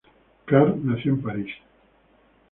Karr nació en París.